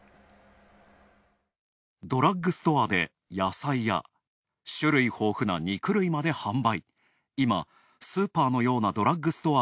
ドラッグストアで、野菜や種類豊富な肉類まで販売。